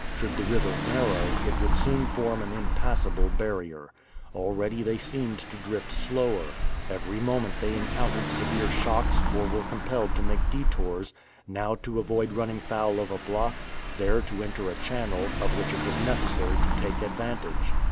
Should the river narrow, it would soon form an impassable barrier. Already they seemed to drift slower. Every moment they encountered severe shocks or were compelled to make detours; now, to avoid running foul of a block, there to enter a channel, of which it was necessary to take advantage.